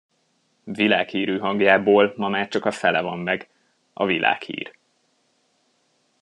Világhírű hangjából ma már csak a fele van meg: a világhír.